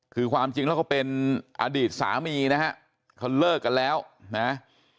คือความจริงแล้วก็เป็นอดีตสามีนะฮะเขาเลิกกันแล้วนะ